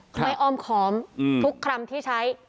ไม่อ้อมค้อมทุกคำที่ใช้